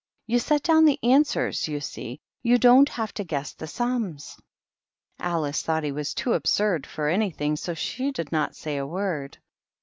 You set down the answers, you see ; you don't have to guess the sums." Alice thought he was too absurd for anything, so she did not say a word.